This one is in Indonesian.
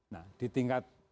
nah di tingkat